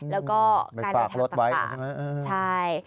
แล้วก็การแบบทางประสาทใช่